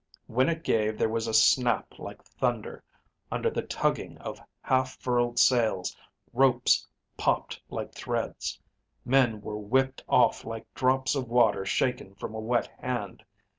When it gave there was a snap like thunder. Under the tugging of half furled sails, ropes popped like threads. Men were whipped off like drops of water shaken from a wet hand.